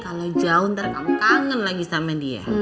kalau joun ntar kamu kangen lagi sama dia